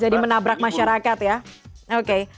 jadi menabrak masyarakat ya oke